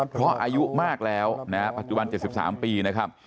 เพราะอายุมากแล้วนะฮะปัจจุบัน๗๓ปีนะครับ